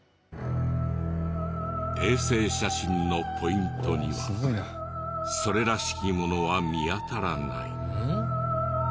衛星写真のポイントにはそれらしきものは見当たらない。